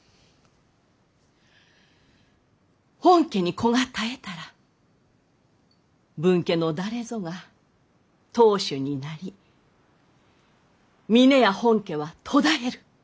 本家に子が絶えたら分家の誰ぞが当主になり峰屋本家は途絶える。